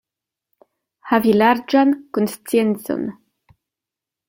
Havi larĝan konsciencon.